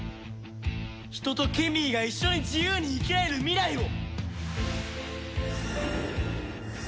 人とケミーが一緒に自由に生きられる未来を！